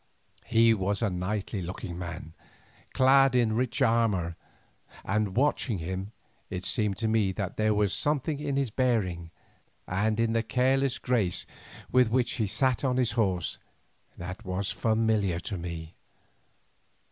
He was a knightly looking man, clad in rich armour, and watching him, it seemed to me that there was something in his bearing, and in the careless grace with which he sat his horse, that was familiar to me.